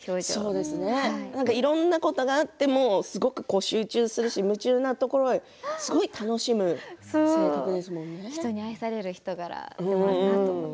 いろんなことがあってもすごく集中するし普通のところはすごく楽しむ人から愛される人柄です。